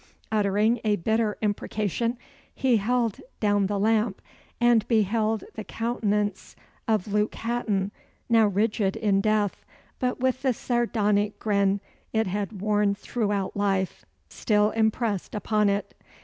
Uttering a bitter imprecation, he held down the lamp, and beheld the countenance of Luke Hatton, now rigid in death, but with the sardonic grin it had worn throughout life still impressed upon it.